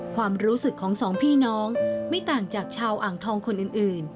ความรู้สึกของสองพี่น้องไม่ต่างจากชาวอ่างทองคนอื่น